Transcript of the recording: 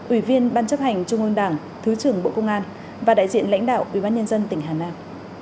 ủy viên ban chấp hành trung ương đảng thứ trưởng bộ công an và đại diện lãnh đạo ubnd tỉnh hà nam